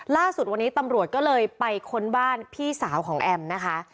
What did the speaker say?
ล่าสุดวันนี้ตำรวจก็เลยไปค้นบ้านพี่สาวของแอมนะคะ